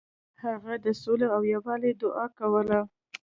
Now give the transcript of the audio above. هغه د سولې او یووالي دعا کوله.